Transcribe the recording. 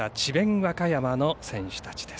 和歌山の選手たちです。